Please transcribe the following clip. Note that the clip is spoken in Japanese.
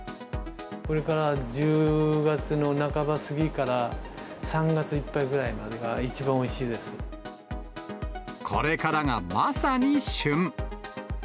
これから１０月の半ば過ぎから３月いっぱいぐらいまでが一番これからがまさに旬。